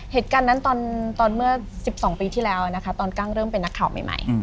เหตุการณ์นั้นตอนเมื่อ๑๒ปีที่แล้วนะคะตอนกั้งเริ่มเป็นนักข่าวใหม่